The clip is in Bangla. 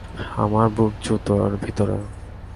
আমার বুট জুতার ভেতরে।